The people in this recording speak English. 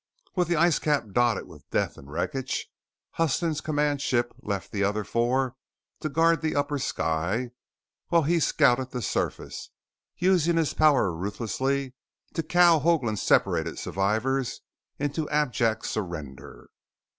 With the ice cap dotted with death and wreckage, Huston's command ship left the other four to guard the Upper Sky while he scouted the surface, using his power ruthlessly to cow Hoagland's separated survivors into abject surrender.